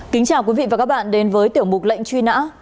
kính chào quý vị và các bạn đến với tiểu mục lệnh truy nã